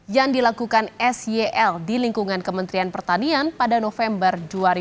yang dilakukan syl di lingkungan kementerian pertanian pada november dua ribu dua puluh